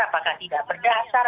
apakah tidak berdasar